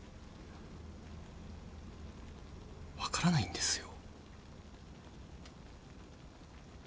分からないんですよ。